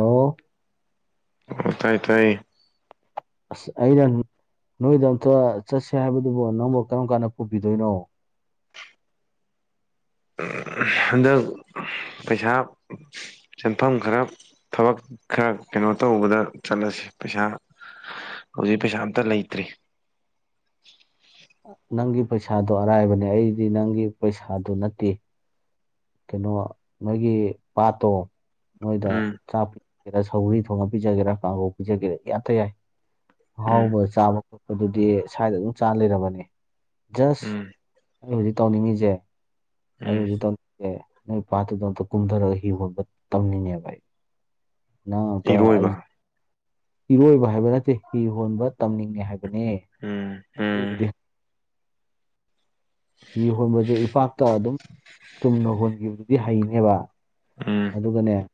ꯑꯣ ꯑꯣ ꯇꯥꯏ ꯇꯥꯏ ꯑꯁ ꯑꯩꯅ ꯅꯣꯏꯗ ꯑꯝꯇ ꯆꯠꯁꯦ ꯍꯥꯏꯕꯗꯨꯕꯨ ꯅꯪꯕꯨ ꯀꯔꯝ ꯀꯥꯟꯗ ꯄꯨꯕꯤꯗꯣꯏꯅꯣ ꯍꯟꯗꯛ ꯄꯩꯁꯥ ꯁꯦꯟꯐꯝ ꯈꯔ ꯊꯕꯛ ꯈꯔ ꯀꯩꯅꯣ ꯇꯧꯕꯗ ꯆꯠꯂꯁꯤ ꯄꯩꯁꯥ ꯍꯧꯖꯤꯛ ꯄꯩꯁꯥꯝꯇ ꯂꯩꯇ꯭ꯔꯤ ꯅꯪꯒꯤ ꯄꯩꯁꯥꯗꯣ ꯑꯔꯥꯏꯕꯅꯦ ꯑꯩꯗꯤ ꯅꯪꯒꯤ ꯄꯩꯁꯥꯗꯨ ꯅꯠꯇꯦ ꯀꯩꯅꯣ ꯅꯣꯏꯒꯤ ꯄꯥꯠꯇꯣ ꯅꯣꯏꯗ ꯎꯝ ꯆꯥꯛ ꯁꯧꯒꯔꯤ ꯊꯣꯡꯉ ꯄꯤꯖꯒꯦꯔꯥ ꯀꯥꯡꯕꯨꯧ ꯄꯤꯖꯒꯦꯔꯥ ꯌꯥꯇ ꯌꯥꯏ ꯎꯝ ꯑꯍꯥꯎꯕ ꯆꯥꯕ ꯑꯗꯨꯗꯤ ꯁ꯭ꯋꯥꯏꯗ ꯑꯗꯨꯝ ꯆꯥꯟꯅ ꯂꯩꯔꯕꯅꯤ ꯖꯁ ꯎꯝ ꯑꯩ ꯍꯧꯖꯤꯛ ꯇꯧꯅꯤꯡꯉꯤꯁꯦ ꯑꯩ ꯎꯝ ꯍꯧꯖꯤꯛ ꯇꯧꯅꯤꯡ ꯅ ꯄꯥꯇꯗ ꯀꯨꯝꯗꯔ ꯍ ꯇꯝꯅꯤꯅꯦꯥꯏ ꯅꯇ ꯑꯩ ꯏꯔꯣꯏꯕ ꯏꯔꯣꯏꯕ ꯍꯥꯏꯕ ꯅꯠꯇꯦ ꯍꯤ ꯍꯣꯟꯕ ꯇꯝꯅꯤꯡꯉꯦ ꯍꯥꯏꯕꯅꯦ ꯎꯝ ꯎꯝ ꯍꯤ ꯍꯣꯟꯕꯁꯦ ꯏꯄꯥꯛꯇ ꯑꯗꯨꯝ [unintelligible] ꯆꯨꯝꯅ ꯍꯣꯟꯈꯤꯕꯗꯨꯗꯤ ꯍꯩꯅꯦꯕ ꯎꯝ ꯑꯗꯨꯒꯅꯦ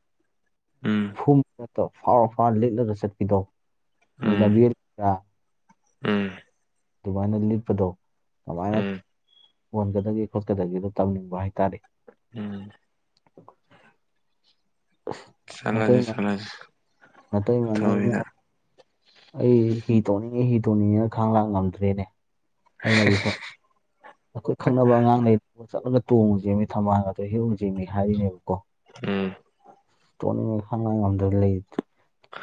ꯎꯝ ꯐ ꯐꯥꯎꯔ ꯐꯥꯎꯔ ꯂꯤꯠꯂꯒ ꯆꯠꯄꯤꯗꯣ ꯅꯣꯏ ꯎꯝ ꯂꯝꯕꯦꯜ ꯎꯝ ꯑꯗꯨꯃꯥꯏꯅ ꯂꯤꯞꯄꯗꯣ ꯀꯃꯥꯏꯅ ꯎꯝ ꯑꯣꯣꯟꯒꯗꯒꯦ ꯈꯣꯠꯀꯗꯒꯦꯗꯣ ꯇꯝꯅꯤꯡꯕ ꯍꯥꯏꯇꯥꯔꯦ ꯎꯝ ꯅꯠꯇꯇꯩ ꯆꯠꯂꯁꯤ ꯃꯥ ꯆꯠꯂꯁꯤ ꯅꯠꯇꯇꯩ ꯃꯥꯅ ꯑꯊꯨꯕꯤꯗ ꯑꯩ ꯍꯤ ꯇꯣꯡꯅꯤꯡꯉꯤ ꯍꯤ ꯇꯣꯡꯅꯤꯡꯉꯦꯅ ꯈꯥꯡ ꯂꯥꯡ ꯉꯝꯗ꯭ꯔꯦꯅꯦ ꯑꯩꯅꯗꯤ ꯁ ꯑꯩꯈꯣꯏ ꯈꯪꯅꯕ ꯑꯉꯥꯡ ꯂꯩ ꯆꯠꯂꯒ ꯇꯣꯡꯉꯨ ꯆꯦꯃꯤ ꯊꯝꯃꯜꯒꯗ ꯍꯤꯡꯨ ꯆꯦꯃꯤ ꯍꯥꯏꯔꯤꯅꯦꯕꯀꯣ ꯎꯝ ꯇꯣꯅꯤꯡꯉꯩ ꯈꯪꯉꯉꯣꯟꯝꯗ ꯂꯩ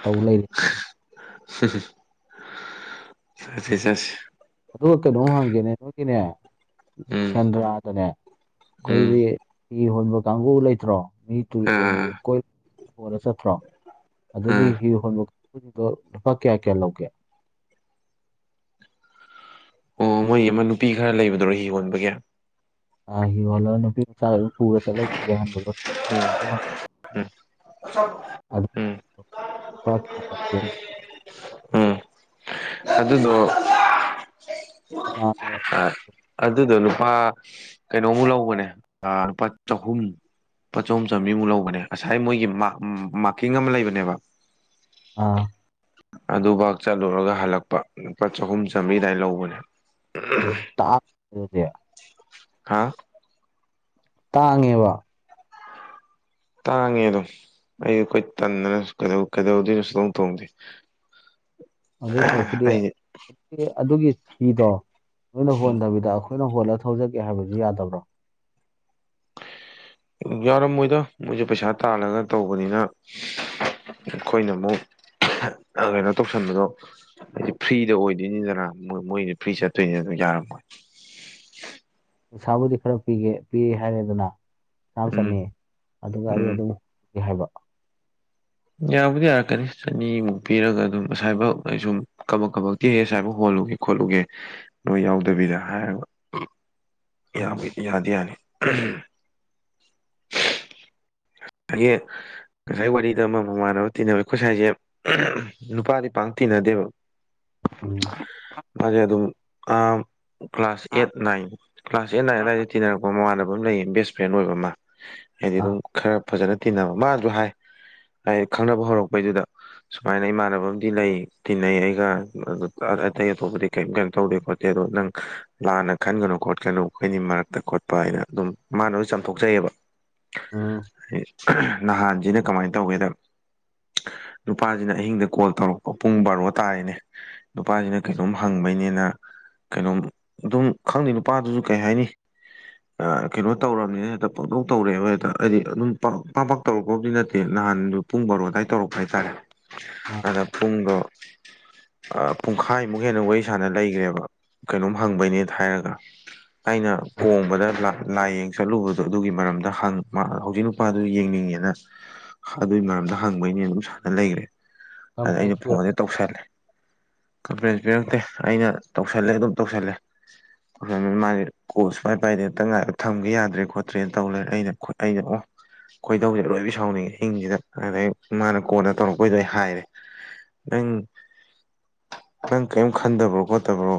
ꯇꯧ ꯂꯩꯔꯤ ꯆꯠꯁꯤꯦ ꯆꯠꯁꯤꯦ ꯑꯗꯨꯒ ꯀꯩꯅꯣꯝ ꯍꯪꯒꯦꯅꯦ ꯅꯣꯏꯒꯤꯅꯦ ꯎꯝ ꯁꯦꯟꯗ꯭ꯔꯥꯗꯅꯦ ꯎꯝ ꯑꯩꯈꯣꯏꯗꯤ ꯍꯤ ꯍꯣꯟꯕ ꯀꯥꯡꯕꯨ ꯂꯩꯇ꯭ꯔꯣ ꯃꯤ ꯑꯥ ꯀꯣꯏꯅ ꯆꯠꯇ꯭ꯔꯣ ꯑꯗꯨꯒꯤ ꯑꯥ ꯍꯤ ꯍꯣꯟꯕ ꯀꯥꯡꯁꯤꯡꯗꯣ ꯂꯨꯄꯥ ꯀꯌꯥ ꯀꯌꯥ ꯂꯧꯒꯦ ꯑꯣ ꯃꯣꯏ ꯑꯃ ꯅꯨꯄꯤ ꯈꯔ ꯂꯩꯕꯗꯨꯔꯣ ꯍꯤ ꯌꯣꯟꯕꯒꯦ ꯑ ꯍꯒꯜ ꯅꯕꯤ ꯆ ꯄꯨꯔ ꯆꯠꯂꯒ ꯌꯥ꯭ꯍꯟ ꯎꯝ ꯎꯝ ꯑꯗꯨ ꯎꯝ ꯑꯣꯀꯦ ꯎꯝ ꯑꯗꯨꯗꯣ ꯎꯝ ꯑ ꯑꯗꯨꯗꯣ ꯂꯨꯄꯥ ꯀꯩꯅꯣꯃꯨꯛ ꯂꯧꯕꯅꯦ ꯂꯨꯄꯥ ꯆꯍꯨꯝ꯫ ꯄ ꯆꯍꯨꯝ ꯆꯥꯝꯔꯤꯃꯨꯛ ꯂꯧꯕꯅꯦ ꯉꯁꯥꯏ ꯃꯣꯏꯒꯤ ꯃꯥ- ꯃꯥꯔꯀꯤꯡ ꯑꯃ ꯂꯩꯕꯅꯦꯕ ꯑꯥ ꯑꯗꯨꯚ ꯆꯠꯂꯨꯔꯒ ꯍꯜꯂꯛꯄ ꯂꯨꯄꯥ ꯆꯍꯨꯝ ꯆꯥꯝꯔꯤꯗꯥꯏ ꯂꯧꯕꯅꯤ꯫ ꯇꯗ ꯍꯥ ꯇꯥꯡꯉꯦꯕ꯫ ꯇꯥꯡꯉꯦ ꯑꯗꯨꯝ ꯑꯩ ꯑꯩꯈꯣꯏ ꯇꯟꯗꯅꯩ ꯀꯩꯗꯧ-ꯀꯩꯗꯧꯗꯣꯏꯅꯁꯨ ꯑꯗꯨꯝ ꯇꯣꯡꯗꯦ꯫ [inaudible] ꯑꯗꯨ ꯁꯔꯨꯛꯄꯨꯗꯤ ꯑꯩ ꯑꯗꯨꯒꯤ ꯍꯤꯗꯣ ꯅꯣꯏꯅ ꯍꯣꯟꯗꯕꯤꯗ ꯑꯩꯈꯣꯏ ꯑꯩꯈꯣꯏꯅ ꯍꯣꯜꯂꯒ ꯊꯧꯖꯒꯦ ꯍꯥꯏꯕꯁꯨ ꯌꯥꯗꯕ꯭ꯔꯣ? ꯌꯥꯎꯔꯝꯃꯣꯏꯗꯣ ꯃꯣꯏꯁꯨ ꯄꯩꯁꯥ ꯇꯥꯜꯂꯒ ꯇꯧꯕꯅꯤꯅ꯫ ꯑꯩꯈꯣꯏꯅ ꯑꯃꯨꯛ ꯀꯩꯅꯣ ꯇꯧꯁꯟꯕꯗꯣ ꯍꯥꯏ ꯐ꯭ꯔꯤꯗ ꯑꯣꯏꯗꯣꯏꯅꯤꯗꯅ ꯃꯣꯏꯗꯤ ꯐ꯭ꯔꯤ ꯆꯠꯇꯣꯏꯅꯤ ꯑꯗꯨꯝ ꯌꯥꯔꯝꯃꯣꯏ꯫ ꯄꯩꯁꯥꯕꯨꯗꯤ ꯈꯔ ꯄꯤꯒꯦ ꯄꯤ ꯍꯥꯏꯔꯦꯗꯅ ꯆꯥꯝ ꯎꯝ ꯆꯪꯅꯤ ꯑꯗꯨꯒ ꯑꯩ ꯎꯝ ꯑꯗꯨꯝ ꯍꯣꯟꯒꯦ ꯍꯥꯏꯕ ꯌꯥꯕꯨꯗꯤ ꯌꯥꯔꯛꯀꯅꯤ ꯆꯅꯤꯃꯨꯛ ꯄꯤꯔꯒ ꯑꯗꯨꯝ ꯉꯁꯥꯏꯐ ꯑꯩ ꯁꯨꯝ ꯀꯕꯛ ꯀꯕꯛꯇꯤ ꯍꯦꯁ ꯍꯥꯏꯕ ꯍꯣꯜꯂꯨꯒꯦ ꯈꯣꯠꯂꯨꯒꯦ ꯅꯣꯏ ꯌꯥꯎꯗꯕꯤꯗ ꯍꯥꯏꯒ꯫ ꯌꯥ ꯎꯝ ꯌꯥꯗꯤ ꯌꯥꯅꯤ꯫ ꯑꯩꯉꯁꯥꯏ ꯋꯥꯔꯤ ꯁꯤꯗ ꯑꯃ ꯃꯃꯥꯟꯅꯕ ꯇꯤꯟꯅꯕ ꯑꯩꯈꯣꯏ ꯁꯋꯥꯏꯁꯦ ꯅꯨꯄꯥꯗꯤ ꯄꯥꯡ ꯇꯤꯟꯅꯗꯦꯕ ꯎ ꯃꯥꯁꯦ ꯑꯗꯨꯝ class eight nine class eight nine ꯑꯗꯨꯗꯥꯋꯥꯏꯗ ꯇꯤꯟꯅꯔꯛꯄ ꯃꯃꯥꯟꯅꯕ ꯑꯃ ꯂꯩꯌꯦ ꯕꯦꯁ ꯐ꯭ꯔꯦꯟ ꯑꯣꯏꯕ ꯑꯃ ꯍꯥꯏꯗꯤ ꯑꯥ ꯑꯗꯨꯝ ꯈꯔ ꯐꯖꯅ ꯇꯤꯟꯅꯕ ꯃꯥꯁꯨ ꯍꯥꯏ ꯍꯥꯏ ꯈꯪꯅꯕ ꯍꯧꯔꯛꯄꯩꯗꯨꯗ꯫ ꯁꯨꯃꯥꯏꯅ ꯏꯃꯥꯟꯅꯕ ꯑꯃꯗꯤ ꯂꯩ ꯇꯤꯟꯅꯩ ꯑꯩꯒ ꯑꯇꯩ ꯑꯇꯣꯞꯄꯗꯤ ꯀꯔꯤꯝ ꯀꯩꯅꯣ ꯇꯧꯗꯦ ꯈꯣꯠꯇꯦ ꯑꯗꯣ ꯅꯪ ꯂꯥꯟꯅ ꯈꯟꯒꯅꯨ ꯈꯣꯠꯀꯅꯨ ꯑꯩꯈꯣꯏꯅꯤ ꯃꯔꯛꯇ ꯈꯣꯠꯄ ꯍꯥꯏꯅ ꯑꯗꯨꯝ ꯃꯥꯅꯁꯨ ꯆꯥꯝꯊꯣꯛꯆꯩꯑꯕ꯫ ꯎꯝ ꯅꯍꯥꯟꯖꯤꯅ ꯀꯃꯥꯏ ꯇꯧꯒꯦꯗ ꯅꯨꯄꯥꯁꯤꯅ ꯑꯍꯤꯡꯗ ꯀꯣꯜ ꯇꯧꯔꯛꯄ ꯄꯨꯡ ꯕꯥꯔꯣ ꯇꯥꯔꯤꯅꯦ꯫ ꯅꯨꯄꯥꯁꯤꯅ ꯀꯩꯅꯣꯝ ꯍꯪꯕꯩꯅꯦꯅ ꯀꯩꯅꯣꯝ ꯑꯗꯨꯝ ꯈꯪꯗꯦ ꯅꯨꯄꯥꯗꯨꯁꯨ ꯀꯩ ꯍꯥꯏꯅꯤ ꯀꯩꯅꯣ ꯇꯧꯔꯝꯅꯤꯅ ꯍꯦꯛꯇ ꯄꯥꯛꯇꯧ ꯇꯧꯔꯛꯦꯕ ꯍꯦꯛꯇ ꯍꯥꯏꯗꯤ ꯑꯗꯨꯝ ꯄꯥꯛ ꯄꯥꯛ ꯄꯥꯛ ꯇꯧꯔꯛꯄꯗꯤ ꯅꯠꯇꯦ ꯅꯍꯥꯟꯗꯨ ꯄꯨꯡ ꯕꯥꯔꯣ ꯑꯗꯨꯋꯥꯏ ꯇꯧꯔꯛꯄ ꯍꯥꯏꯇꯥꯔꯦ ꯑꯗ ꯄꯨꯡꯒ ꯄꯨꯡꯈꯥꯏꯃꯨꯛ ꯍꯦꯟꯅ ꯋꯥꯔꯤ ꯁꯥꯟꯅ ꯂꯩꯈ꯭ꯔꯦꯕ ꯀꯩꯅꯣꯝ ꯍꯪꯕꯩꯅꯦ ꯍꯥꯏꯔꯒ ꯑꯩꯅ ꯀꯣꯡꯕꯗ ꯂꯥꯏꯌꯦꯡ ꯆꯠꯂꯨꯕꯗꯣ ꯑꯗꯨꯒꯤ ꯃꯔꯝꯗ ꯍꯧꯖꯤꯛ ꯃꯥꯗꯨ ꯌꯦꯡꯅꯤꯡꯉꯦꯅ ꯑꯗꯨꯒꯤ ꯃꯔꯝꯗ ꯍꯪꯕꯩꯅꯦ ꯑꯗꯨꯝ ꯁꯥꯟꯅ ꯂꯩꯈ꯭ꯔꯦ ꯑꯗ ꯑꯩꯅ ꯀꯟꯐ꯭ꯔꯦꯟꯁ ꯐꯣꯟꯁꯦ ꯇꯧꯁꯜꯂꯦ ꯀꯝꯄ꯭ꯂꯦꯟ ꯄꯤꯔꯛꯇꯦ ꯑꯩꯅ ꯇꯧꯁꯜꯂꯦ ꯑꯗꯨꯝ ꯇꯧꯁꯜꯂꯦ ꯑꯗꯨ ꯃꯥꯒꯤ ꯀꯣ ꯁ ꯎꯥꯏ ꯄꯥꯏꯗꯦꯦꯛꯇ ꯉꯥꯏ ꯊꯝꯒꯦ ꯌꯥꯗ꯭ꯔꯦ ꯈꯣꯠꯇ꯭ꯔꯦꯅ ꯇꯧ ꯂꯩꯔꯦ ꯑꯩꯅ ꯑꯩꯅ ꯑꯣ ꯀꯣꯏꯗꯧꯁꯦꯔꯣꯢ ꯁꯥꯎꯅꯤꯡꯉꯦ ꯏꯤꯡꯁꯤꯗ ꯑꯗꯩ ꯃꯥꯅ ꯀꯣꯟꯅ ꯇꯧꯔꯛꯄꯩꯗꯣ ꯑꯩ ꯍꯥꯏꯔꯦ ꯅꯪ ꯅꯪ ꯀꯔꯤꯝ ꯈꯟꯗꯕ꯭ꯔꯣ ꯈꯣꯠꯇꯕ꯭ꯔꯣ?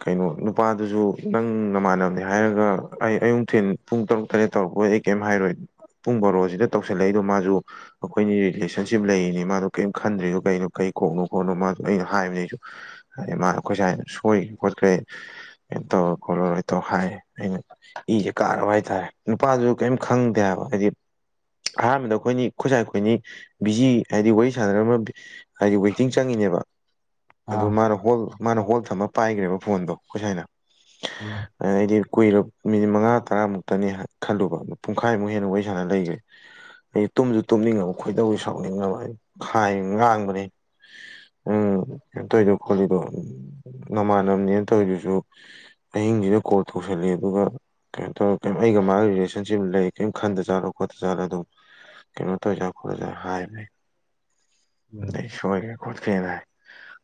ꯀꯩꯅꯣ ꯅꯨꯄꯥꯗꯨꯁꯨ ꯅꯪ ꯅꯃꯥꯟꯅꯕꯅꯦ ꯍꯥꯏꯔꯒ ꯑꯩ ꯑꯌꯨꯛꯊꯤꯟ ꯄꯨꯡ ꯇꯔꯨꯛ ꯇꯔꯦꯠ ꯇꯧꯔꯛꯄ ꯑꯩ ꯀꯩꯝ ꯍꯥꯏꯔꯣꯏ ꯄꯨꯡ ꯕꯥꯔꯣꯁꯤꯗ ꯇꯧꯁꯤꯜꯂꯛꯏꯗꯣ ꯃꯥꯁꯨ ꯑꯩꯈꯣꯏꯅꯤ ꯔꯤꯂꯦꯁꯟꯁꯤꯞ ꯂꯩꯔꯤꯅꯤ ꯃꯥꯗꯣ ꯀꯔꯤꯝ ꯈꯟꯗ꯭ꯔꯤꯁꯨ ꯀꯩꯅꯣ ꯀꯩ ꯀꯣꯛꯅꯣ ꯈꯣꯠꯅꯣ ꯃꯥ ꯑꯩꯅ ꯍꯥꯏꯕꯅꯤ ꯑꯩꯁꯨ ꯑꯗꯩ ꯃꯥꯅ ꯑꯈꯣꯏ ꯁꯥꯏꯗ ꯁꯣꯏꯔꯦ ꯈꯣꯠꯈ꯭ꯔꯦ ꯑꯅ ꯇꯧꯔ ꯈꯣꯠꯂ ꯑꯗꯥꯏ ꯍꯥꯏꯔꯦ ꯑꯩꯅ ꯏꯖꯦ ꯀꯥꯔꯕ ꯍꯥꯏꯇꯥꯔꯦ ꯅꯨꯄꯥꯗꯨꯖꯨ ꯀꯩꯝ ꯈꯪꯗꯦ ꯍꯥꯏꯕ ꯍꯥꯏꯗꯤ ꯑꯍꯥꯟꯕꯗ ꯑꯈꯣꯏꯅꯤ ꯈꯣꯏꯁꯥꯏ ꯑꯩꯈꯣꯏꯅꯤ ꯕꯤꯖꯤ ꯍꯥꯏꯗꯤ ꯋꯥꯔꯤ ꯁꯥꯟꯅꯔꯝꯃ ꯕꯤ ꯍꯥꯏꯗꯤ ꯋꯩꯇꯤꯡ ꯆꯪꯉꯤꯅꯦꯕ ꯑꯗꯨ ꯑꯥ ꯃꯥꯅ ꯍꯣꯜ ꯃꯥꯅ ꯍꯣꯜ ꯊꯝꯃ ꯄꯥꯏꯒ꯭ꯔꯦꯕ ꯐꯣꯟꯗꯣ ꯈꯣꯏꯁꯥꯏꯅ ꯑꯗꯩꯗꯤ ꯀꯨꯏꯔꯞ ꯃꯤꯅꯤꯠ ꯃꯉꯥ ꯇꯔꯥꯃꯨꯛꯇꯅꯤ ꯍ ꯈꯜꯂꯨꯕ ꯗ ꯄꯨꯡꯈꯥꯏꯃꯨꯛ ꯍꯦꯟꯅ ꯋꯥꯔꯤ ꯁꯥꯟꯅ ꯂꯩꯒ꯭ꯔꯦ꯫ ꯑꯩ ꯇꯨꯝꯖꯨ ꯇꯨꯝꯅꯤꯡꯉꯕ ꯈꯣꯏꯗꯧꯖꯦ ꯁꯥꯎꯅꯤꯡꯉꯕ ꯑꯩ ꯈꯥꯏ ꯉꯥꯡꯕꯅꯦ꯫ ꯎꯝ ꯀꯩꯟ ꯇꯧꯔꯤꯗꯣ ꯈꯣꯠꯂꯤꯗꯣ ꯅꯃꯥꯟꯅꯕꯅꯦꯅ ꯇꯧꯔꯤꯗꯨꯖꯨ ꯑꯍꯤꯡꯖꯤꯗ ꯀꯣꯜ ꯇꯧꯁꯜꯂꯦ ꯑꯗꯨꯒ ꯀꯩꯅꯣ ꯇꯧꯔ ꯀꯩꯝ ꯑꯩꯒ ꯃꯥꯒꯤ ꯔꯤꯂꯦꯁꯟꯁꯤꯞ ꯂꯩ ꯀꯩꯝ ꯈꯟꯗꯖꯥꯠꯂꯣ ꯈꯣꯠ ꯆꯂꯗꯣ ꯀꯩꯅꯣ ꯇꯧꯖꯥꯠꯂ ꯈꯣꯜꯂꯖꯥꯂ ꯍꯥꯏꯕꯅꯦ ꯑꯗꯨꯅꯦ ꯑꯩꯖꯦ ꯁꯣꯏꯒ꯭ꯔꯦ ꯈꯣꯠꯈ꯭ꯔꯦꯅ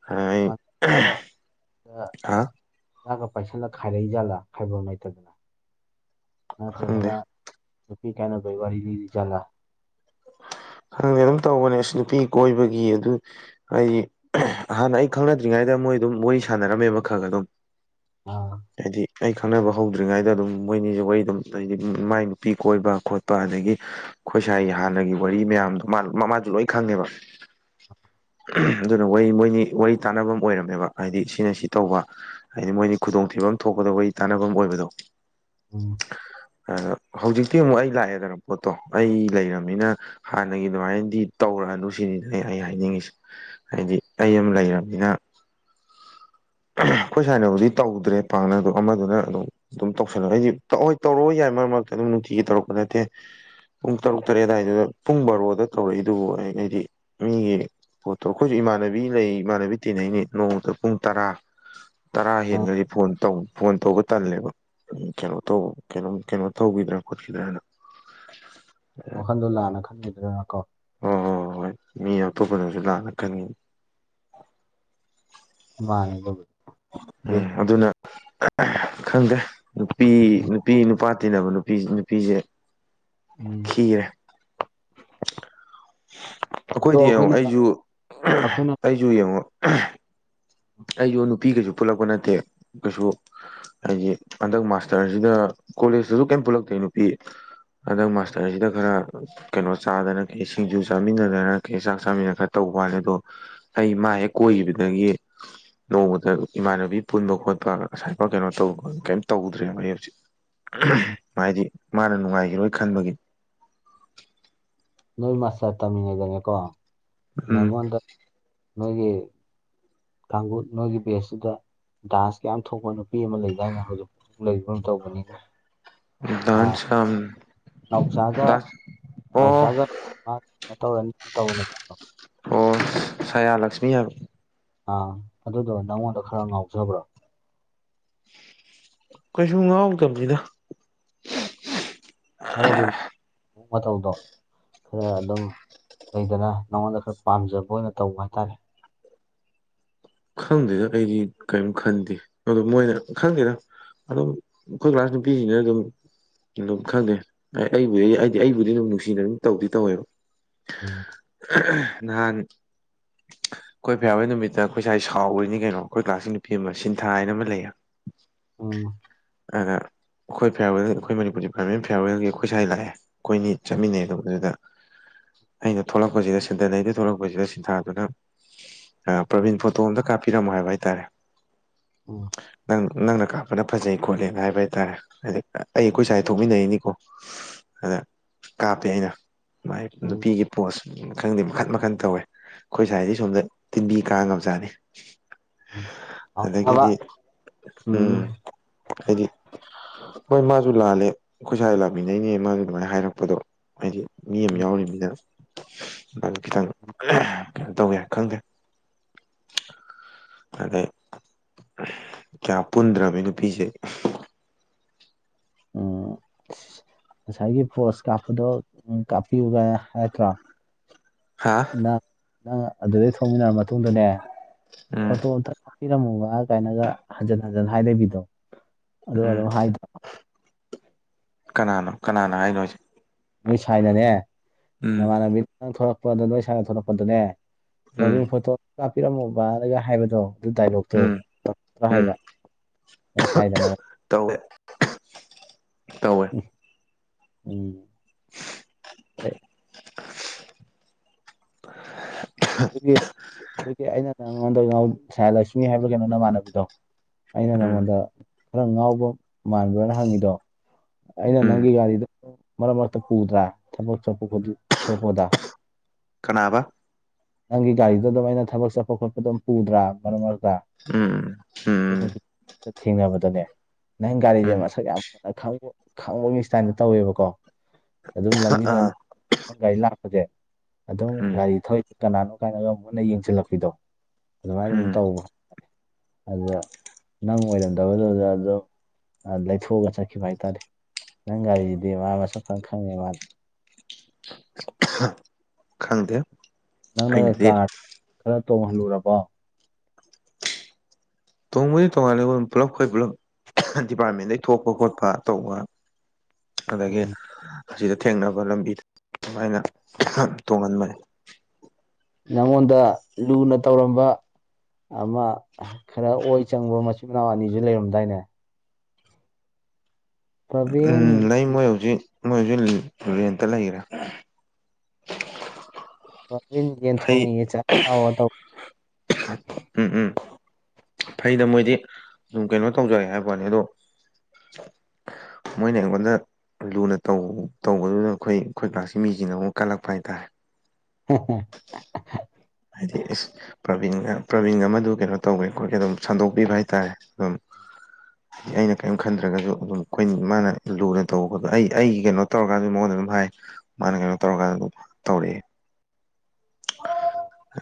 ꯍꯥꯏ ꯑꯗꯨꯗꯩ [unintelligible] ꯑꯥ ꯗꯥꯛꯀ ꯄꯥꯏꯁꯜꯂꯒ ꯈꯥꯏꯔꯛꯏ ꯖꯥꯠꯂꯥ ꯈꯥꯏꯕꯝ ꯂꯩꯇꯗꯅ ꯈꯪꯗꯦ ꯅꯠꯇ꯭ꯔꯒꯅ ꯅꯨꯄꯤ ꯀꯥꯏꯅꯕꯩ ꯋꯥꯔꯤ ꯂꯤꯔꯤ ꯖꯥꯠꯂꯥ꯫ ꯈꯪꯗꯦ ꯑꯗꯨꯝ ꯇꯧꯕꯅꯦ ꯑꯁ ꯅꯨꯄꯤ ꯀꯣꯏꯕꯒꯤ ꯑꯗꯨ ꯑꯩꯒꯤ [unintelligible] ꯍꯥꯟꯅ ꯑꯩ ꯈꯪꯅꯗ꯭ꯔꯤꯉꯩꯗ ꯃꯣꯏ ꯑꯗꯨꯝ ꯋꯥꯔꯤ ꯁꯥꯟꯅꯔꯝꯃꯦꯕ ꯈꯒ ꯑꯗꯨꯝ꯫ ꯑꯥ ꯍꯩꯗꯤ ꯑꯩ ꯈꯪꯅꯕ ꯍꯧꯗ꯭ꯔꯤꯉꯩꯗ ꯑꯗꯨꯝ ꯃꯣꯏꯅꯤꯖꯦ ꯋꯥꯔꯤ ꯑꯗꯨꯝ ꯍꯩꯗꯤ ꯎꯝ-ꯎꯝ ꯃꯥꯏ ꯅꯨꯄꯤ ꯀꯣꯏꯕ ꯈꯣꯠꯄ ꯑꯗꯒꯤ ꯑꯈꯣꯏ ꯁꯥꯏꯒꯤ ꯍꯥꯟꯅꯒꯤ ꯋꯥꯔꯤ ꯃꯌꯥꯝꯗꯣ ꯃ-ꯃ ꯃꯥꯖꯨ ꯂꯣꯏ ꯈꯪꯉꯦꯕ꯫ [unintelligible] ꯑꯗꯨꯅ ꯋꯥꯔꯤ ꯃꯣꯏꯅꯤ ꯋꯥꯔꯤ ꯇꯥꯟꯕꯝ ꯑꯣꯏꯔꯝꯃꯦꯕ ꯍꯥꯏꯗꯤ ꯁꯤꯅ ꯁꯤ ꯇꯧꯕ ꯍꯩꯗꯤ ꯃꯣꯏꯅꯤ ꯈꯨꯗꯣꯡꯊꯤꯕ ꯊꯣꯛꯄꯗꯣ ꯋꯥꯔꯤ ꯇꯥꯟꯅꯕꯝ ꯑꯣꯏꯕꯗꯣ꯫ ꯎꯝ ꯑꯗꯣ ꯍꯧꯖꯤꯛꯇꯤ ꯑꯃꯨꯛ ꯑꯩ ꯂꯥꯛꯑꯦꯗꯅ ꯄꯣꯠꯇꯣ ꯑꯩ ꯂꯩꯔꯝꯃꯤꯅ ꯍꯥꯟꯅꯒꯤ ꯑꯗꯨꯃꯥꯏꯅꯗꯤ ꯇꯧꯔꯛꯑꯅꯨ ꯁꯤꯅꯤꯗ ꯑꯩ-ꯑꯩ ꯍꯥꯏꯅꯤꯡꯉꯤꯖꯦ꯫ ꯍꯥꯏꯗꯤ ꯑꯩ ꯑꯃ ꯂꯩꯔꯕꯅꯤꯅ [unintelligible] ꯈꯣꯏ ꯁꯥꯏꯅꯕꯕꯨꯗꯤ ꯇꯧꯗ꯭ꯔꯦ ꯄꯥꯛꯅꯗꯣ ꯑꯃꯗꯨꯅ ꯑꯗꯨꯝ ꯑꯗꯨꯝ ꯇꯧꯁꯜꯂꯛ ꯑꯩꯗꯤ ꯇ ꯍꯣꯏ ꯇꯧꯔꯛꯑꯣ ꯌꯥꯏ ꯃꯔꯛ ꯃꯔꯛꯇ ꯑꯗꯨꯝ ꯅꯨꯡꯇꯤꯒꯤ ꯇꯧꯔꯛꯄ ꯅꯠꯇꯦ꯫ ꯄꯨꯡ ꯇꯔꯨꯛ ꯇꯔꯦꯠ ꯑꯗꯥꯏꯗꯨꯗ ꯄꯨꯡ ꯕꯥꯔꯣꯗ ꯇꯧꯔꯛꯏꯗꯨꯕꯨ ꯑꯩꯩꯅ ꯑꯩꯅꯗꯤ ꯃꯤꯒꯤ ꯄꯣꯠꯇꯣ ꯑꯈꯣꯏꯖꯨ ꯏꯃꯥꯟꯅꯕꯤ ꯂꯩ ꯏꯃꯥꯟꯅꯕꯤ ꯇꯤꯟꯅꯩꯅꯤ ꯅꯣꯡꯃꯇ ꯄꯨꯡ ꯇꯥꯔꯥ ꯇꯥꯔꯥ ꯑꯥ ꯍꯦꯟꯒ꯭ꯔꯗꯤ ꯐꯣꯟ ꯇꯧ ꯐꯣꯟ ꯇꯧꯕ ꯇꯜꯂꯦꯕ꯫ ꯎꯝ ꯀꯩꯅꯣ ꯇꯧ ꯀꯩꯅꯣꯝ ꯀꯩꯅꯣ ꯇꯧꯒꯤꯗ꯭ꯔꯥ ꯈꯣꯠꯈꯤꯗ꯭ꯔꯥꯅ ꯋꯥꯈꯟꯗꯣ ꯂꯥꯟꯅ ꯈꯟꯒꯤꯗ꯭ꯔꯥꯅꯀꯣ꯫ ꯍꯣ-ꯍꯣ-ꯍꯣꯏ ꯃꯤ ꯑꯇꯣꯞꯄꯅꯖꯨ ꯂꯥꯟꯅ ꯈꯟꯒꯤ ꯃꯥꯅꯦ ꯑꯗꯨꯕꯨ ꯎꯝ ꯑꯗꯨꯅ [unintelligible] ꯈꯪꯗꯦ ꯅꯨꯄꯤ ꯅꯨ ꯄꯤ ꯅꯨꯄꯥ ꯇꯤꯟꯅꯕ ꯅꯨꯄꯤ ꯅꯨꯄꯤꯖꯦ ꯎꯝ ꯈꯤꯔꯦ꯫ ꯑꯗꯣ ꯑꯈꯣꯏꯗꯤ ꯌꯦꯡꯉꯣ ꯑꯩꯈꯣꯏꯅ ꯑꯩꯖꯨ ꯑꯩꯈꯣꯏꯅ [unintelligible] ꯑꯩꯖꯨ ꯌꯦꯡꯉꯣ [unintelligible] ꯑꯩꯖꯨ ꯅꯨꯄꯤ ꯒꯩꯁꯨ ꯄꯨꯜꯂꯛꯄ ꯅꯠꯇꯦ ꯀꯩꯁꯨ ꯍꯥꯏꯗꯤ ꯍꯟꯗꯥꯛ ꯃꯥꯁꯇꯔꯖꯤꯗ ꯀꯣꯂꯦꯖꯇꯖꯨ ꯀꯩꯝ ꯄꯨꯜꯂꯛꯇꯦ ꯅꯨꯄꯤ꯫ ꯍꯟꯗꯛ ꯃꯥꯁꯇꯔꯖꯤꯗ ꯈꯔ ꯀꯩꯅꯣ ꯆꯥꯗꯅ ꯀꯩ ꯁꯤꯡꯖꯨ ꯆꯥꯃꯤꯟꯅꯗꯅ ꯀꯩ ꯆꯥꯛ ꯆꯥꯃꯤꯟꯅꯗꯅ ꯈ ꯇꯧꯕꯥꯅꯤ ꯑꯗꯣ ꯑꯩ ꯃꯥ ꯍꯦꯛ ꯀꯣꯏꯒꯤꯕꯗꯒꯤ ꯅꯣꯡꯃꯇ ꯏꯃꯥꯟꯅꯕꯤ ꯄꯨꯟꯕ ꯈꯣꯠꯄ ꯑꯁꯥꯏꯕꯧ ꯀꯩꯅꯣ ꯇꯧꯕ ꯀꯩꯝ ꯇꯧꯗ꯭ꯔꯦꯕ ꯑꯩ ꯍꯧꯖꯤꯛ꯫ ꯎꯝ, [unintelligible] ꯍꯥꯏꯗꯤ ꯃꯥꯅ ꯅꯨꯡꯉꯥꯏꯒꯤꯔꯣꯏ ꯈꯟꯕꯒꯤ꯫ ꯅꯣꯏ ꯃꯥꯁꯇꯔ ꯇꯝꯃꯤꯉꯩꯗꯅꯤꯀꯣ ꯎꯝ ꯅꯉꯣꯟꯗ ꯅꯣꯏꯒꯤ ꯀꯥꯡꯒꯨ ꯅꯣꯏꯒꯤ ꯕꯦꯁꯇꯨꯗ ꯗꯥꯟꯁꯀ ꯌꯥꯝ ꯊꯣꯛꯄ ꯅꯨꯄꯤ ꯑꯃ ꯂꯩꯗꯥꯏꯅꯦ ꯍꯧꯖꯤꯛ ꯂꯩꯕ ꯀꯩꯅꯣꯝ ꯇꯧꯕꯅꯤꯅꯦ꯫ ꯑꯥ ꯗꯥꯟꯁ ꯌꯥꯝ ꯅꯥꯎꯆꯥꯒ ꯗꯥꯟꯁ ꯑꯣ ꯅꯥꯎꯆꯥꯒ [inaudible] ꯑꯣ ꯁꯥꯌꯥꯂꯛꯁꯃꯤ ꯍꯥꯏꯕ ꯑꯥ ꯑꯗꯨꯗꯣ ꯅꯪꯉꯣꯟꯗ ꯈꯔ ꯉꯥꯎꯖꯕ꯭ꯔꯣ ꯀꯩꯁꯨ ꯉꯥꯎꯛꯇꯕꯅꯤꯗ ꯈꯔꯗꯤ ꯃꯑꯣ ꯃꯇꯧꯗꯣ ꯈꯔ ꯑꯗꯨꯝ ꯂꯩꯗꯅ ꯅꯉꯣꯟꯗ ꯈꯔ ꯄꯥꯝꯖꯕ ꯑꯣꯏꯅ ꯇꯧꯕ ꯍꯥꯏꯇꯥꯔꯦ ꯈꯪꯗꯦꯗ ꯑꯩꯗꯤ ꯀꯔꯤꯝ ꯈꯟꯗꯦ ꯑꯗꯣ ꯃꯣꯏꯅ ꯈꯪꯗꯦꯅ ꯑꯗꯨꯝ ꯑꯩꯈꯣꯏ ꯀ꯭ꯂꯥꯁ ꯅꯨꯄꯤꯁꯤꯅ ꯑꯗꯨꯝ ꯑꯗꯨꯝ ꯈꯪꯗꯦ ꯑꯩꯕꯨ ꯑꯩ ꯑꯩꯗꯤ ꯑꯩꯕꯨꯗꯤ ꯑꯗꯨꯝ ꯅꯨꯡꯁꯤꯅ ꯑꯗꯨꯝ ꯇꯧꯗꯤ ꯇꯧꯋꯦꯕ ꯎꯝ ꯅꯍꯥꯟ ꯀꯣꯏꯕ ꯌꯥꯕꯩ ꯅꯨꯃꯤꯠꯇ ꯑꯩꯈꯣꯏꯁꯥꯏ ꯁꯥꯎꯈꯣꯏꯅꯤ ꯀꯩꯅꯣ ꯑꯩꯈꯣꯏ ꯀ꯭ꯂꯥꯥꯁ ꯅꯨꯄꯤ ꯑꯃ ꯁꯤꯟꯊꯥ ꯍꯥꯏꯅ ꯑꯃ ꯂꯩꯌꯦ ꯎꯝ ꯑ ꯑꯩꯈꯣꯏ ꯐꯤꯌꯥꯔꯋꯦꯜ ꯑꯩꯈꯣꯏ ꯃꯅꯤꯨꯔꯒꯤ ꯄꯥꯔꯃꯦꯟ ꯐꯤꯌꯥꯔꯋꯦꯜꯒꯤ ꯑꯩꯈꯣꯏ ꯁ꯭ꯋꯥꯏ ꯂꯥꯛꯑꯦ ꯑꯩꯈꯣꯏꯅꯤ ꯎꯝ ꯆꯠꯃꯤꯟꯅꯩ ꯑꯗꯨ ꯑꯗꯨꯗ ꯑꯩꯅ ꯊꯣꯛꯂꯛꯄꯁꯤꯗ ꯁꯤꯟꯊꯅꯩꯗ ꯊꯣꯛꯂꯛꯄꯁꯤꯗ ꯁꯤꯟꯊꯥꯗꯨꯅ ꯄ꯭ꯔꯕꯤꯟ ꯐꯣꯇꯣ ꯑꯝꯇ ꯀꯥꯞꯄꯤꯔꯝꯃꯣ ꯍꯥꯏꯕ ꯍꯥꯏꯇꯥꯔꯦ ꯑꯣ ꯅꯪ ꯅꯪꯅ ꯀꯥꯞꯄꯅ ꯐꯖꯩ ꯈꯣꯠꯂꯦꯅ ꯍꯥꯏꯕ ꯍꯥꯏꯇꯥꯔꯦ ꯍꯥꯏꯗꯤ ꯑꯩ ꯑꯩꯈꯣꯏ ꯁ꯭ꯋꯥꯗ ꯊꯣꯛꯃꯤꯟꯅꯔꯤꯅꯤꯀꯣ ꯑꯗ ꯀꯥꯞꯄꯦ ꯑꯩꯅ ꯃꯥꯏ ꯎꯝ ꯅꯨꯄꯤꯒꯤ ꯄꯣꯠꯁ ꯈꯪꯗꯦ ꯃꯈꯟ ꯃꯈꯟ ꯇꯧꯋꯦ ꯑꯩꯈꯣꯏ ꯁ꯭ꯋꯥꯏꯗꯤ ꯁꯣꯝꯗ ꯇꯤꯟꯕꯤ ꯀꯥ ꯉꯝꯖꯥꯠꯅꯤ ꯎꯝ ꯎꯝ ꯁꯥꯎꯅꯕ ꯑꯗꯒꯤꯗꯤ ꯎꯝ ꯍꯥꯏꯗꯤ ꯍꯣꯏ ꯃꯥꯁꯨ ꯂꯥꯜꯂꯦ ꯑꯩꯈꯣꯏ ꯁꯋꯥꯏ ꯂꯥꯛꯃꯤꯟꯅꯩꯅꯦ ꯃꯥꯁꯨ ꯑꯗꯨꯃꯥꯏꯅ ꯍꯥꯏꯔꯛꯄꯗꯣ ꯍꯥꯏꯗꯤ ꯃꯤ ꯑꯃ ꯌꯥꯎꯔꯤꯕꯅꯤꯅ ꯑꯗꯨ ꯈꯤꯇꯪ ꯀꯩꯅꯣ ꯇꯧꯋꯦ ꯈꯪꯗꯦ ꯑꯗꯩ ꯀꯌꯥ ꯄꯨꯟꯗ꯭ꯔꯕ ꯅꯨꯄꯤꯁꯦ ꯎꯝ ꯉꯁꯥꯏꯒꯤ ꯄꯣꯁ ꯀꯥꯞꯄꯗꯣ ꯎ ꯀꯥꯞꯄꯤꯌꯨꯒ ꯍꯥꯏꯠꯇ꯭ꯔꯣ ꯍꯥ ꯅꯪ ꯅꯪ ꯑꯗꯨꯗꯩ ꯊꯣꯡꯃꯤꯟꯅꯔ ꯃꯇꯨꯡꯗꯅꯦ ꯎꯝ ꯐꯣꯇꯣ ꯑꯝꯇ ꯄꯤꯔꯝꯃꯨꯕ ꯀꯥꯏꯅꯒ ꯍꯟꯖꯤꯟ ꯍꯟꯖꯤꯟ ꯍꯥꯏꯗꯕꯤꯗꯣ ꯎꯝ ꯀꯅꯥꯅꯣ ꯀꯅꯥꯅꯣ ꯍꯥꯏꯅꯣꯁꯤ ꯅꯣꯏ ꯁ꯭ꯥꯏꯗꯅꯦ ꯎꯝ ꯅꯃꯥꯟꯅꯕꯤꯗ ꯅ ꯊꯂꯛꯄꯗ ꯅꯣꯏ ꯁꯗ ꯊꯂꯛꯄꯗꯨꯅꯦ ꯎꯝ ꯄꯃꯤꯡ ꯐꯣꯇꯣ ꯀꯥꯞꯄꯤꯔꯝꯃꯨꯕꯅꯒ ꯍꯥꯏꯕꯗꯣ ꯑꯗꯨ ꯗꯥꯏꯂꯣꯛꯇꯣ ꯎꯝ ꯭ꯔ ꯎꯝ ꯍꯥꯏꯕ ꯑꯩꯣꯏ ꯁꯥꯏꯗꯅ ꯇꯧꯋꯦ ꯇꯧꯋꯦ ꯎꯝ ꯑꯦ, [unintelligible] ꯑꯗꯨꯒꯤ ꯑꯗꯨꯒꯤ ꯑꯩꯅ ꯅꯪꯉꯣꯟꯗ ꯁ ꯂꯛꯁꯃꯤ ꯍꯥꯏꯕ꯭ꯔꯥ ꯀꯩꯅꯣ ꯅꯃꯥꯟꯅꯕꯤꯗꯣ ꯑꯩꯅ ꯎꯝ ꯅꯉꯣꯟꯗ ꯈꯔ ꯉꯥꯎꯕ ꯃꯥꯟꯕ꯭ꯔꯥꯅ ꯍꯪꯉꯤꯗꯣ ꯑꯩꯅ ꯎꯝ ꯅꯪꯒꯤ ꯒꯥꯔꯤꯗꯣ ꯃꯔꯛ ꯃꯔꯛꯇ ꯄꯨꯗ꯭ꯔꯥ ꯊꯕꯛ ꯊꯣꯛꯄꯗ ꯀꯅꯥꯕ ꯅꯪꯒꯤ ꯒꯥꯔꯤꯗꯣ ꯑꯗꯨꯝ ꯑꯩꯅ ꯊꯕꯛ ꯆꯠꯄ ꯈꯣꯠꯄ ꯑꯗꯨꯝ ꯄꯨꯗ꯭ꯔꯥ ꯃꯔꯛ ꯃꯔꯛꯇ ꯎꯝ ꯎꯝ ꯑꯗꯨ ꯎꯝ ꯅꯨꯃꯤꯠ ꯊꯦꯡꯅꯕꯗꯅꯦ ꯅꯪ ꯒꯥꯔꯤꯁꯦ ꯎꯝ ꯃꯁꯛ ꯌꯥꯝꯅ ꯈꯪꯉ ꯈꯪꯕ ꯃꯤ ꯏꯁꯇꯥꯏꯅ ꯇꯧꯋꯦꯕꯀꯣ ꯑꯗꯨꯝ ꯂꯝꯕꯤꯗ ꯑꯥ ꯒꯥꯔꯤ ꯂꯥꯛꯄꯁꯦ ꯑꯗꯨꯝ ꯎꯝ ꯒꯥꯔꯤ ꯊꯧꯏ ꯀꯅꯥꯅꯣ ꯀꯥꯏꯅꯒ ꯑꯃꯨꯛꯟꯅ ꯌꯦꯡꯁꯤꯜꯂꯛꯄꯤꯗꯣ ꯑꯗꯨꯃꯥꯏꯅ ꯑꯗꯨꯝ ꯎꯝ ꯇꯧꯕ ꯑꯗꯨꯗ ꯅꯪ ꯑꯣꯏꯔꯝꯗꯕꯗꯨꯗ ꯑꯗꯨꯝ ꯂꯩꯊꯣꯛꯑꯒ ꯆꯠꯈꯤꯕ ꯍꯥꯏꯇꯥꯔꯦ ꯅꯪ ꯒꯥꯔꯤꯁꯤꯗꯤ ꯃꯥ ꯃꯁꯛ ꯐꯪꯅ ꯈꯪꯉꯦ ꯃꯥꯗ ꯈꯪꯗꯦ ꯅꯪꯅ ꯑꯩꯅꯗꯤ ꯀꯥꯔ ꯈꯔ ꯇꯣꯡꯍꯜꯂꯨꯔꯕꯣ ꯇꯣꯡꯕꯗꯤ ꯇꯣꯡꯉꯥꯟꯂ ꯄꯨꯂꯞ ꯑꯩꯈꯣꯏ ꯄꯨꯂꯞ ꯗꯤꯄꯥꯔꯠꯃꯦꯟꯗꯩ ꯊꯣꯛꯄ ꯈꯣꯠꯄ ꯇꯧꯕ ꯑꯗꯒꯤ ꯎꯝ. ꯑꯁꯤꯗ ꯊꯦꯡꯅꯕ ꯂꯝꯕꯤꯗ ꯑꯗꯨꯃꯥꯏꯅ ꯇꯣꯡꯍꯟꯕꯅꯤ ꯅꯉꯣꯟꯗ ꯂꯨꯅ ꯇꯧꯔꯝꯕ ꯑꯃ ꯈꯔ ꯑꯣꯏ ꯆꯪꯕ ꯃꯆꯤꯟ ꯃꯅꯥꯎ ꯑꯅꯤꯁꯨ ꯂꯩꯔꯝꯗꯥꯏꯅꯦ ꯄ꯭ꯔꯕꯤꯟ ꯎꯝ ꯂꯩ ꯃꯣꯏ ꯍꯧꯖꯤꯛ ꯃꯣꯏ ꯍꯧꯖꯤꯛ ꯔꯦꯟꯇ ꯂꯩꯈꯔꯦ ꯐꯩ [unintelligible] ꯎꯝ ꯎꯝ ꯐꯩꯗ ꯃꯣꯏꯗꯤ ꯎꯝ ꯀꯩꯅꯣ ꯇꯧꯖꯔꯦ ꯍꯥꯏꯕꯅꯤ ꯑꯗꯣ ꯃꯣꯏꯅ ꯏꯩꯉꯣꯟꯗ ꯂꯨꯅ ꯇꯧ ꯇꯧꯕꯗꯨꯅ ꯑꯩꯈꯣꯏ ꯑꯩꯣꯏ ꯀ꯭ꯂꯥꯁꯁꯤ ꯃꯤꯁꯤꯅ ꯑꯃꯨꯛ ꯀꯜꯂꯛꯄ ꯍꯥꯏꯇꯥꯔꯦ ꯍꯣ ꯍꯣ ꯍꯥꯏꯗꯤ ꯏꯁ ꯄ꯭ꯔꯕꯤꯟꯒ ꯄ꯭ꯔꯥꯕꯤꯟꯒ ꯑꯃꯗꯨ ꯀꯩꯅꯣ ꯇꯧꯋꯦ ꯑꯩꯈꯣꯏꯒꯤ ꯑꯗꯨꯝ ꯁꯟꯗꯣꯛꯄꯤꯕ ꯍꯥꯏꯇꯥꯔꯦ ꯑꯗꯨꯝ [unintelligible] ꯑꯩꯅ ꯀꯥꯏꯝ ꯈꯟꯗ꯭ꯔꯒꯁꯨ ꯑꯗꯨꯝ ꯑꯩꯈꯣꯏ ꯃꯥꯅ ꯂꯨꯅ ꯇꯧꯕꯗ ꯑꯩ ꯑꯩꯒꯤ ꯀꯩꯅꯣꯇꯧꯔꯀꯥꯟꯗ ꯃꯉꯣꯟꯗ ꯑꯗꯨꯝ ꯍꯥꯏ ꯃꯥꯅ ꯀꯩꯅꯣ ꯇꯧꯔꯀꯥꯟꯗ ꯇꯧꯔꯛꯑꯦ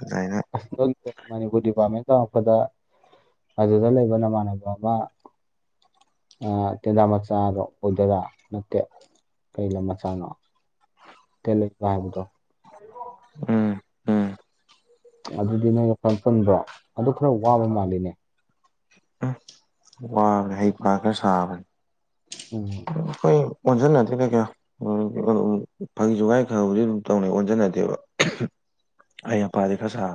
ꯥꯖꯥꯏꯅ [unintelligible] ꯑꯗꯨꯗ ꯂꯩꯕ ꯅꯃꯥꯟꯅꯕ ꯑꯃ ꯑ ꯇꯦꯂ ꯃꯆꯗꯣ ꯔꯣ ꯑꯣꯏꯗꯣꯏꯔ ꯅꯇꯠꯦ ꯀꯩ ꯂꯝ ꯃꯆꯥꯥꯟꯅꯣ ꯀꯦꯜꯤꯞ ꯍꯥꯏꯕꯗꯣ ꯎꯝ ꯎꯝ ꯑꯗꯨꯗꯤ ꯅꯣꯏ ꯃꯐꯝ ꯄꯨꯟꯕ꯭ꯔꯣ ꯑꯗꯨ ꯈꯔ ꯋꯥꯕ ꯃꯥꯜꯂꯤꯅꯦ ꯎꯝ ꯋꯥꯔꯦ ꯍꯧꯄ ꯈ꯭ꯔ ꯁꯥꯕꯅꯦ ꯎꯝ ꯑꯩꯈꯣꯏ ꯍ ꯅ ꯇꯅ ꯀꯣ [unintelligible] ꯑꯩ ꯍꯩꯄ ꯗꯤ ꯈ꯭ꯔ ꯁꯥ